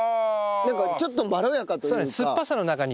なんかちょっとまろやかというか。